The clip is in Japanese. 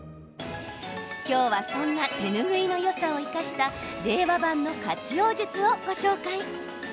きょうはそんな手ぬぐいのよさを生かした令和版の活用術をご紹介。